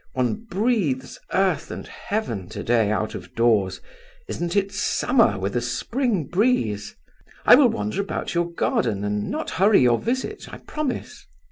One breathes earth and heaven to day out of doors. Isn't it Summer with a Spring Breeze? I will wander about your garden and not hurry your visit, I promise."